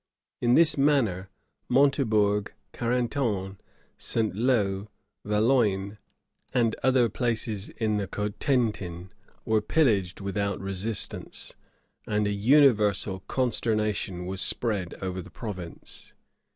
In this manner, Montebourg, Carentan, St. Lo, Valognes, and other places in the Cotentin, were pillaged without resistance; and a universal consternation was spread over the province.